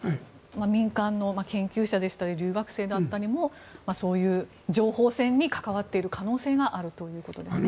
民間の研究者や留学生もそういう情報戦に関わっている可能性があるということですね。